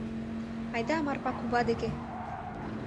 Айда Марпа кува деке!